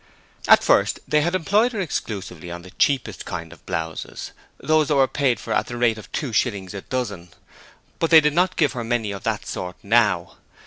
At first they had employed her exclusively on the cheapest kind of blouses those that were paid for at the rate of two shillings a dozen, but they did not give her many of that sort now.